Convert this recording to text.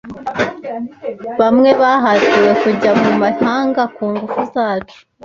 Bamwe bahatiwe kujya mu mahanga kungufu zacu